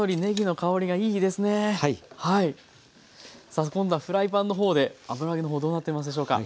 さあ今度はフライパンの方で油揚げの方どうなってますでしょうか。